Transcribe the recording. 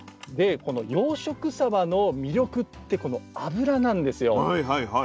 でこの養殖サバの魅力ってこの脂なんですよ。